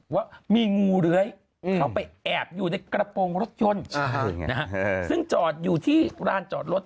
ว่ามีงูเลื้อยเข้าไปแอบอยู่ในกระโปรงรถยนต์ซึ่งจอดอยู่ที่ร้านจอดรถ